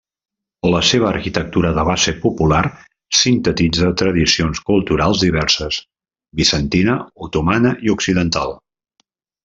La seva arquitectura de base popular sintetitza tradicions culturals diverses, bizantina, otomana i occidental.